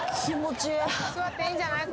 座っていいんじゃない？